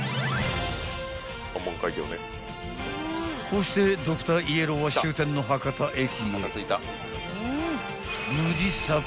［こうしてドクターイエローは終点の博多駅へ］